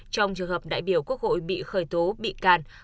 trong trường hợp đại biểu quốc hội bị khởi tố bị can